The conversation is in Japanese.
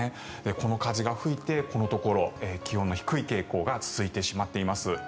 この風が吹いてこのところ気温の低い傾向が続いてしまっています。